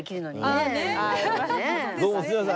どうもすいません